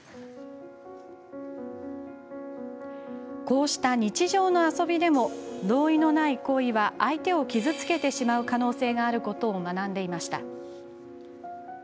こうした日常の遊びでも同意のない行為は相手を傷つけてしまう可能性があることを学んでいました。